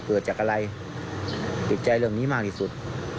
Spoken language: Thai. เกิดจากอะไรติดใจเรื่องนี้มากที่สุด